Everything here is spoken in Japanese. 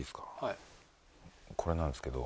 これなんですけど。